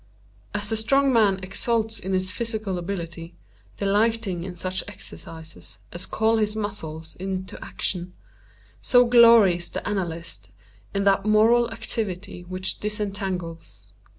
As the strong man exults in his physical ability, delighting in such exercises as call his muscles into action, so glories the analyst in that moral activity which _disentangles.